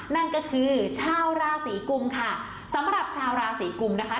นั่นก็คือชาวราศีกุมค่ะสำหรับชาวราศีกุมนะคะ